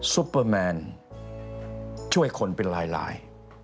ซุปเปอร์แมนช่วยคนเป็นลาย